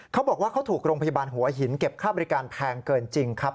เขาบอกว่าเขาถูกโรงพยาบาลหัวหินเก็บค่าบริการแพงเกินจริงครับ